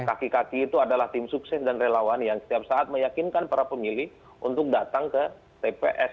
kaki kaki itu adalah tim sukses dan relawan yang setiap saat meyakinkan para pemilih untuk datang ke tps